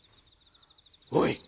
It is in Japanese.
「おい！